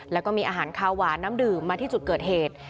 แล้วก็มีอาหารคาวหวานน้ำดื่มมาที่จุดเกิดเหตุ